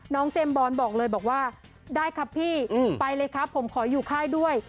เจมส์บอลบอกเลยบอกว่าได้ครับพี่ไปเลยครับผมขออยู่ค่ายด้วย